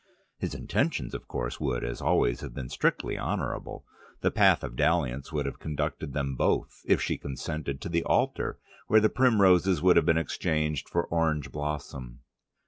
(His intentions, of course, would, as always, have been strictly honourable: the path of dalliance would have conducted them both, if she consented, to the altar, where the primroses would have been exchanged for orange blossom.)